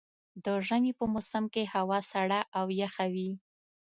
د ژمي په موسم کې هوا سړه او يخه وي.